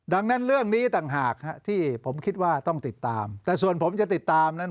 ดังนั้นเรื่องนี้ต่างหากที่ผมคิดว่าต้องติดตามแต่ส่วนผมจะติดตามนั้น